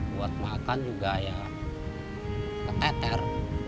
buat makan juga ya keteter